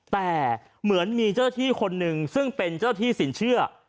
แต่เหมือนมีเจ้าหน้าที่คนหนึ่งซึ่งเป็นเจ้าที่สินเชื่อ